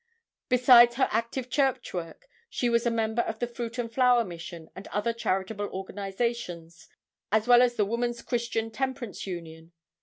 Besides her active church work she was a member of the Fruit and Flower Mission and other charitable organizations as well as the Woman's Christian Temperance Union.